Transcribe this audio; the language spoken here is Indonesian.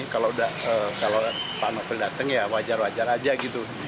kalau pak novel datang ya wajar wajar aja gitu